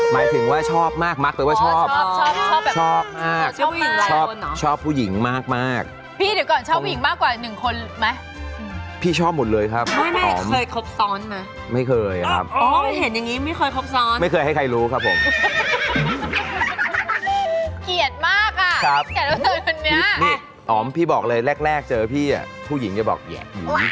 ไม่เคยครับอ๋อเห็นอย่างงี้ไม่ค่อยครบซ้อนไม่เคยให้ใครรู้ครับผมเกลียดมากอ่ะแก่เราเกิดคุณเนี้ยนี่อ๋อพี่บอกเลยแรกเจอพี่อ่ะผู้หญิงจะบอกหยี